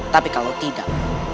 tapi kalau tidak